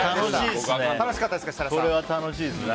楽しいですね。